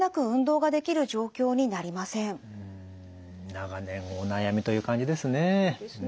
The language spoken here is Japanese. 長年お悩みという感じですね。ですね。